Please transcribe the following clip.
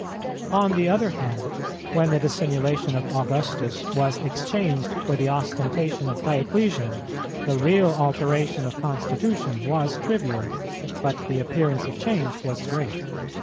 On the other hand, when the dissimulation of Augustus was exchanged for the ostentation of Dioclesian, the real alteration of constitution was trivial, but the appearance of change was great.